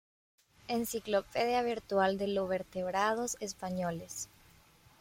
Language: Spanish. Enciclopedia Virtual de lo Vertebrados Españoles.